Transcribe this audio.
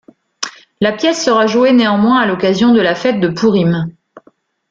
La pièce sera jouée néanmoins à l'occasion de la fête de Pourim.